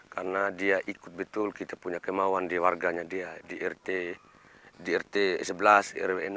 karena dia ikut betul kita punya kemauan di warganya dia di rt sebelas rw enam